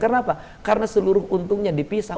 kenapa karena seluruh untungnya dipisah